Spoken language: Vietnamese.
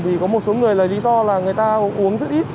thì có một số người lấy lý do là người ta uống rất ít